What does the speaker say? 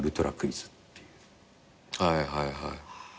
はいはい。